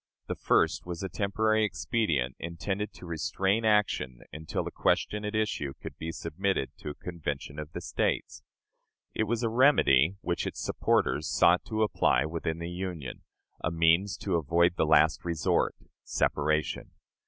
The first was a temporary expedient, intended to restrain action until the question at issue could be submitted to a convention of the States. It was a remedy which its supporters sought to apply within the Union; a means to avoid the last resort separation.